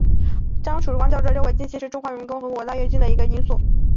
张曙光教授认为禁运是促成中华人民共和国进行大跃进与反右运动的一个因素。